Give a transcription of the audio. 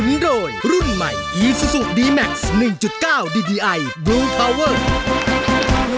ร้องได้ให้ล้าน